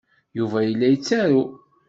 Yuba yella yettaru.